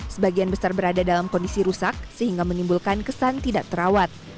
sebagian besar berada dalam kondisi rusak sehingga menimbulkan kesan tidak terawat